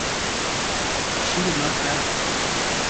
But she would not gratify it.